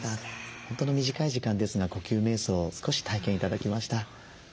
本当に短い時間ですが呼吸めい想を少し体験頂きました。